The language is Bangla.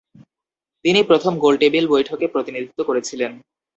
তিনি প্রথম গোলটেবিল বৈঠকে প্রতিনিধিত্ব করেছিলেন।